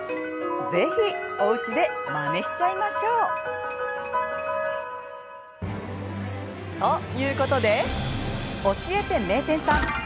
ぜひ、おうちでまねしちゃいましょう。ということで「教えて名店さん！